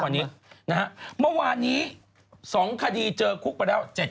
นะฮะเมื่อวานี้สองคดีเจอคุกไปแล้ว